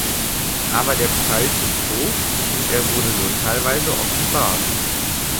Aber der Preis ist hoch und er wurde nur teilweise offenbart.